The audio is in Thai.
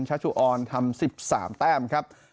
ชัชุออนทำ๑๓แต้มครับ